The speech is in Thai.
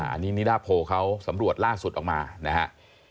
อันนี้นิดาโพเขาสำรวจล่าสุดออกมานะฮะ